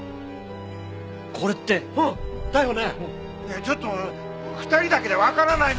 ちょっと２人だけでわからないの！